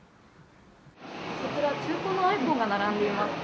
こちら、中古のｉＰｈｏｎｅが並んでいます。